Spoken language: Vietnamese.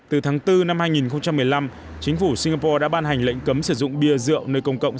từ tháng bốn năm hai nghìn một mươi năm chính phủ singapore đã ban hành lệnh cấm sử dụng bia rượu nơi công cộng